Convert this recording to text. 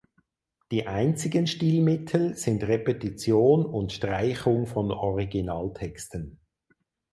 Die einzigen Stilmittel sind Repetition und Streichung von Originaltexten.